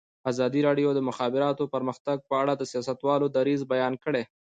ازادي راډیو د د مخابراتو پرمختګ په اړه د سیاستوالو دریځ بیان کړی.